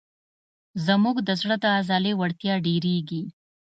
زموږ د زړه د عضلې وړتیا ډېرېږي.